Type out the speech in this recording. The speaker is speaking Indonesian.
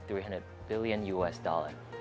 harganya tiga ratus juta dolar